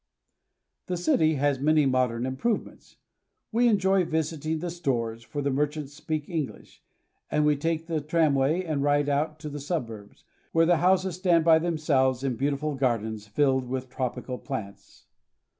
The city has many modern improvements. We enjoy visiting the stores, for the merchants speak English, and we take the tramway and ride out to the suburbs, where the houses stand by themselves in beautiful gardens filled with tropical plants.